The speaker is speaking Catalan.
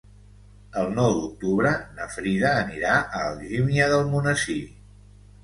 El nou d'octubre na Frida anirà a Algímia d'Almonesir.